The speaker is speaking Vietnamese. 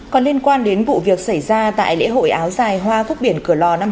còn liên quan đến vụ việc xảy ra tại lễ hội áo dài hoa quốc biển cửa lò năm hai nghìn hai mươi